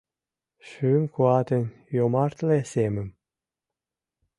Шӱм куатын йомартле семым